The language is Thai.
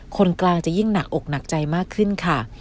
คนกลางจะยิ่งหนักอกหนักใจมากขึ้นค่ะ